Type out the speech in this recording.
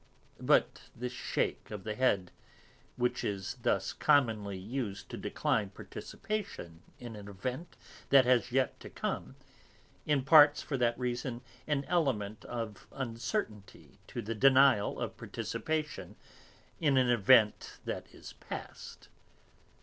But this shake of the head, which is thus commonly used to decline participation in an event that has yet to come, imparts for that reason an element of uncertainty to the denial of participation in an event that is past.